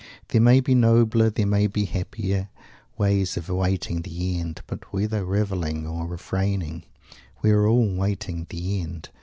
There may be nobler, there may be happier, ways of awaiting the end but whether "revelling" or "refraining," we are all waiting the end.